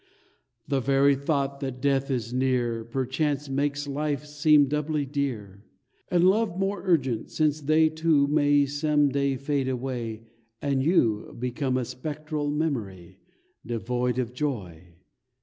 The very thought that death is near Perchance makes life seem doubly dear, And love more urgent, since they two May some day fade away, and you Become a spectral memory, Devoid of joy!